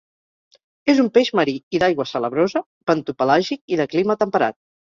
És un peix marí i d'aigua salabrosa, bentopelàgic i de clima temperat.